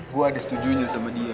gue ada setujunya sama dia